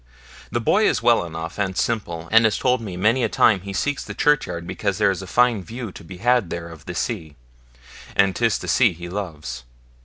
The boy is well enough, and simple, and has told me many a time he seeks the churchyard because there is a fine view to be had there of the sea, and 'tis the sea he loves.